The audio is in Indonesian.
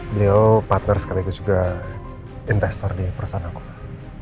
beliau partner sekali lagi juga investor di perusahaan aku zahra